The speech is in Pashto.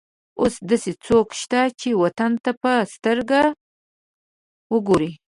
اوس داسې څوک شته چې وطن ته په سترګه وګوري.